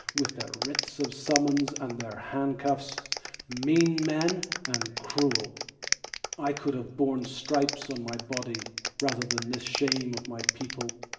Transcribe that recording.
With their Writs of Summons and their handcuffs, Men mean and cruel. I could have borne stripes on my body Rather than this shame of my people.